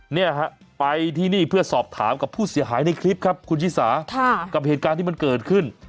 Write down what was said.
เนี่ยฮะไปที่นี่เพื่อสอบถามกับผู้เสียหายในคลิปครับคุณชิสากับเหตุการณ์ที่มันเกิดขึ้น